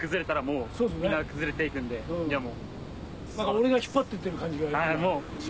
俺が引っ張ってってる感じが。